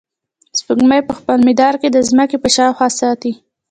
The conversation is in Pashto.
سپوږمۍ په خپل مدار کې د ځمکې په شاوخوا ساتي.